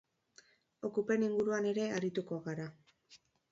Okupen inguruan ere arituko gara.